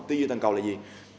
tư duy toàn cầu là gì